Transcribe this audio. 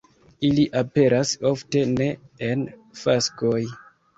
Ili aperas ofte ne en faskoj.